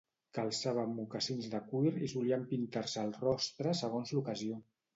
Calçaven mocassins de cuir i solien pintar-se el rostre segons l'ocasió.